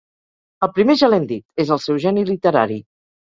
El primer ja l’hem dit: és el seu geni literari.